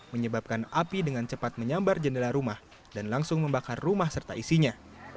menyebabkan api dengan cepat menyambar jendela rumah dan langsung membakar rumah serta isinya